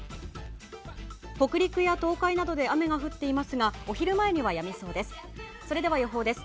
北陸や東海などで雨が降っていますがお昼前にはやみそうです。